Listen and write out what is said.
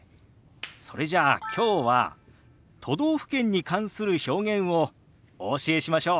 それじゃあきょうは都道府県に関する表現をお教えしましょう。